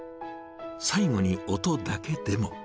最後に音だけでも。